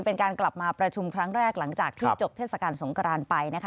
เป็นการกลับมาประชุมครั้งแรกหลังจากที่จบเทศกาลสงกรานไปนะคะ